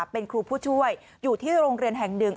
เป็นครูผู้ช่วยอยู่ที่โรงเรียนแห่งหนึ่ง